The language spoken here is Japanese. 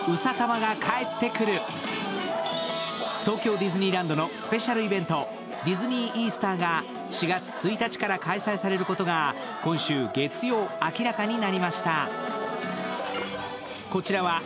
東京ディズニーランドのスペシャルイベント、ディズニー・イースターが４月１日から開催されることが今週月曜、明らかになりました。